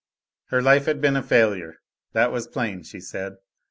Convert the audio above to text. Her life had been a failure. That was plain, she said.